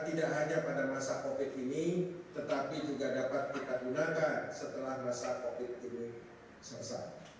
tidak hanya pada masa covid ini tetapi juga dapat kita gunakan setelah masa covid ini selesai